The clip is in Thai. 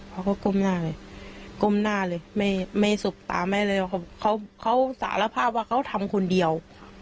เขาก็ก้มหน้าเลยก้มหน้าเลยไม่สบตาไม่เลยเขาสารภาพว่าเขาทำคนเดียว